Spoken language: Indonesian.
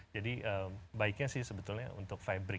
jadi baiknya sih sebetulnya untuk fabric